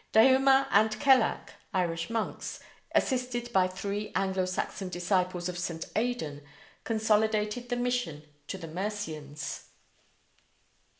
Diuma and Cellach, Irish monks, assisted by three Anglo Saxon disciples of St. Aidan, consolidated the mission to the Mercians.